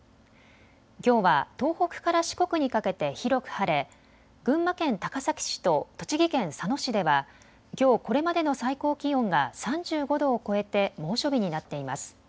きょうは東北から四国にかけて広く晴れ、群馬県高崎市と栃木県佐野市ではきょう、これまでの最高気温が３５度を超えて猛暑日になっています。